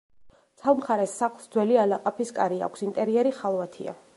ცალ მხარეს სახლს ძველი ალაყაფის კარი აქვს, ინტერიერი ხალვათია.